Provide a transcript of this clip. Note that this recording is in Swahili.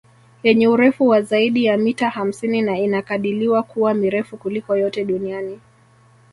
Yenye urefu wa zaidi ya mita hamsini na inakadiliwa kuwa mirefu kuliko yote duniani